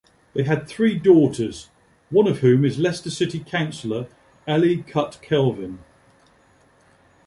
They had three daughters, one of whom is Leicester city councillor Elly Cutkelvin.